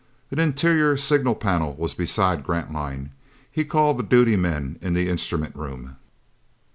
An interior signal panel was beside Grantline. He called the duty men in the instrument room.